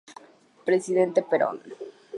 Presidente Perón.